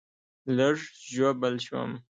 لږ ژوبل شوم